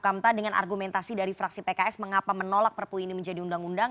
karena saya tahu yang perpu ini menjadi undang undang